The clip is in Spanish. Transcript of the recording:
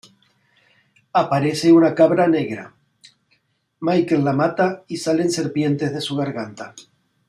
Aparece una cabra negra; Michael la mata y salen serpientes de su garganta.